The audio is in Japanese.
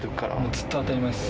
ずっと当たり前です。